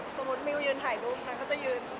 สมมติมิวยืนถ่ายภาพน้ำก็จะยืน